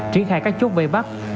triển khai các chốt vây bắt